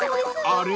［あれ？